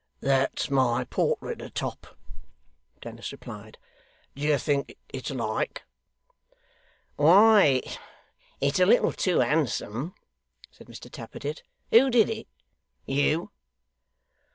'That's my portrait atop,' Dennis replied; 'd'ye think it's like?' 'Why it's a little too handsome,' said Mr Tappertit. 'Who did it? You?